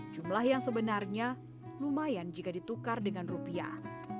jumlah yang sebenarnya lumayan jika ditukar dengan rupiah